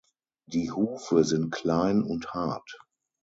Die Hufe sind klein und hart.